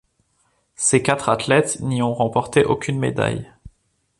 Ses quatre athlètes n'y ont remporté aucune médaille.